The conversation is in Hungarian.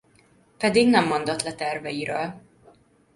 Pedig nem mondott le terveiről.